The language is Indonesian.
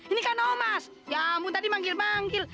ini kan omas ya kamu tadi manggil manggil